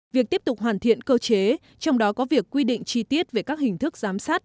việc tiếp tục hoàn thiện cơ chế trong đó có việc quy định chi tiết về các hình thức giám sát